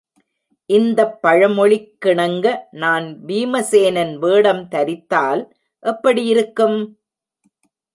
இந்தப் பழமொழிக் கிணங்க, நான் பீமசேனன் வேடம் தரித்தால் எப்படியிருக்கும்!